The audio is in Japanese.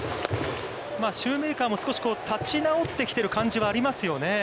シューメーカーも少し立ち直ってきている感じはありますよね。